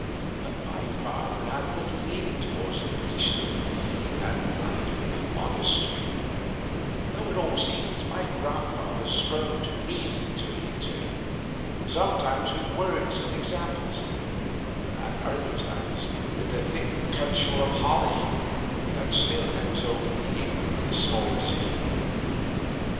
But my father had little leaning towards the priesthood and life in a monastery, though at all seasons my grandfather strove to reason it into him, sometimes with words and examples, at others with his thick cudgel of holly, that still hangs over the ingle in the smaller sitting room.